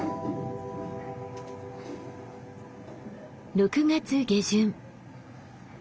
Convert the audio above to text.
６月下旬。